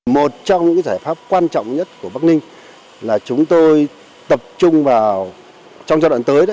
một trong những giải pháp quan trọng nhất của bắc ninh là chúng tôi tập trung vào trong giai đoạn tới